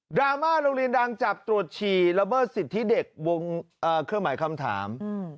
ราม่าโรงเรียนดังจับตรวจฉี่ละเมิดสิทธิเด็กวงเครื่องหมายคำถาม